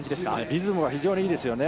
リズムが非常にいいですよね。